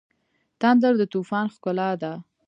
تندر د طوفان ښکلا ده.